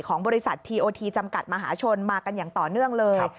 บริษัททีโอทีจำกัดมหาชนมากันอย่างต่อเนื่องเลย